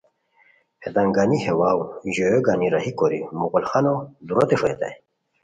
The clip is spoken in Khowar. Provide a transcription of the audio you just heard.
ہیتان گانی ہے واؤ ہے ژویو گانی راہی کوری مغل خانو دوروتے ݰوئیتائے